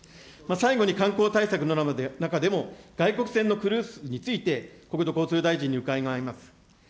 最後に観光対策の中でも、外国船のクルーズについて国土交通大臣に伺います。